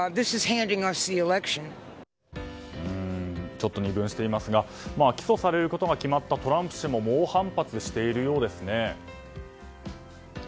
ちょっと二分していますが起訴されることが決まったトランプ氏も猛反発しているようですね。